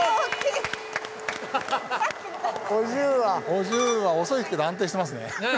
お重は遅いけど安定してますね。